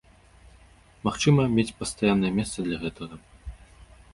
Магчыма, мець пастаяннае месца для гэтага.